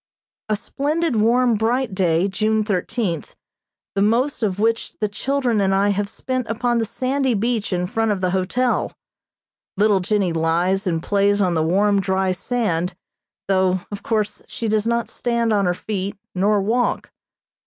A splendid warm, bright day, June thirteenth, the most of which the children and I have spent upon the sandy beach in front of the hotel. Little Jennie lies and plays on the warm, dry sand, though, of course, she does not stand on her feet nor walk.